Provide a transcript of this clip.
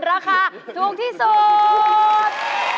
ราคาถูกที่สุด